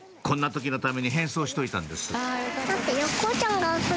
こんな時のために変装しといたんです